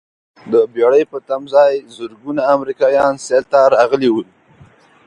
د بېړۍ په تمځاې زرګونه امریکایان سیل ته راغلي ول.